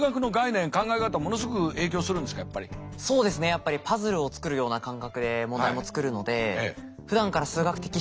やっぱりパズルを作るような感覚で問題も作るので。